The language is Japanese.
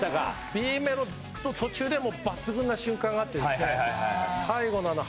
Ｂメロの途中で抜群な瞬間があって。